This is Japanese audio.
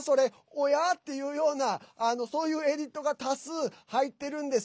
おや？っていうようなそういうエディットが多数、入ってるんです。